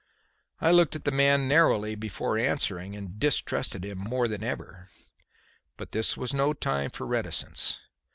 I looked at the man narrowly before answering, and distrusted him more than ever. But this was no time for reticence.